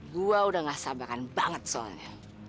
gue udah gak sabaran banget soalnya